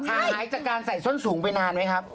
หายจากการใส่ส้นสูงไปนานไหมครับ